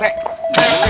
iya pak rt